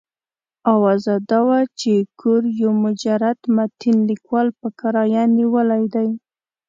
اوازه دا وه چې کور یو مجرد متین لیکوال په کرایه نیولی دی.